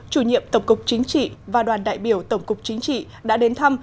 chủ nhiệm tổng cục chính trị và đoàn đại biểu tổng cục chính trị đã đến thăm